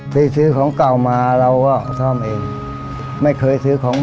ที่ซื้อของเก่ามาเราก็ซ่อมเองไม่เคยซื้อของ